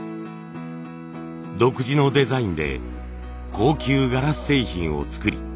独自のデザインで高級ガラス製品を作り